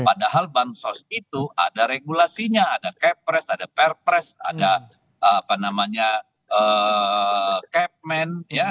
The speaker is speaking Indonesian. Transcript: padahal bansos itu ada regulasinya ada cap press ada per press ada apa namanya cap man ya